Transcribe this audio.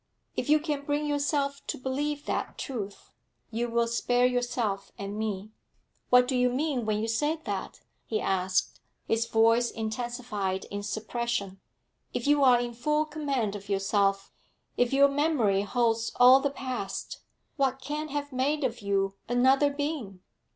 'If you can bring yourself to believe that truth, you will spare yourself and me.' 'What do you mean when you say that?' he asked, his voice intensified in suppression. 'If you are in full command of yourself, if your memory holds all the past, what can have made of you another being?